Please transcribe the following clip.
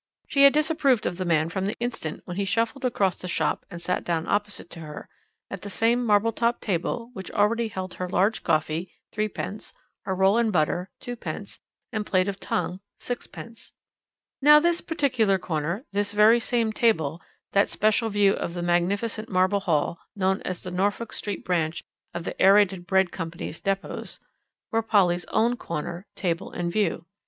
She had disapproved of the man from the instant when he shuffled across the shop and sat down opposite to her, at the same marble topped table which already held her large coffee (3d.), her roll and butter (2d.), and plate of tongue (6d.). Now this particular corner, this very same table, that special view of the magnificent marble hall known as the Norfolk Street branch of the Aërated Bread Company's depôts were Polly's own corner, table, and view.